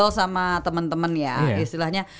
ngobrol sama temen temen ya istilahnya